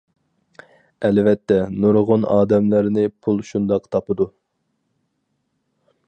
ئەلۋەتتە نۇرغۇن ئادەملەرنى پۇل شۇنداق تاپىدۇ.